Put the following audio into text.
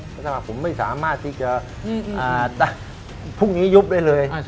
สำหรับผมไม่สามารถที่จะพรุ่งนี้ยุบได้เลย